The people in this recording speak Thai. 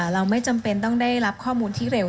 เราไม่จำเป็นต้องได้รับข้อมูลที่เร็ว